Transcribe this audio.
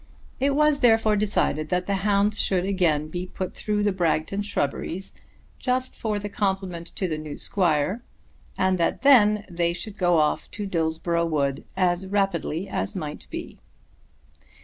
It was therefore decided that the hounds should again be put through the Bragton shrubberies, just for compliment to the new squire; and that then they should go off to Dillsborough Wood as rapidly as might be.